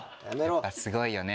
すごいよね。